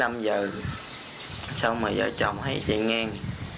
xong rồi vợ chồng hay chị ngan